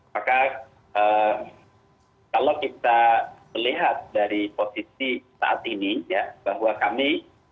maka kalau kita melihat dari posisi saat ini ya bahwa kami